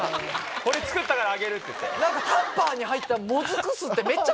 これ作ったからあげるって言って。